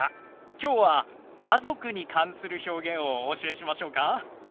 きょうは「家族」に関する表現をお教えしましょうか？